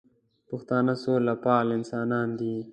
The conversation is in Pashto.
پښتانه سوله پال انسانان دي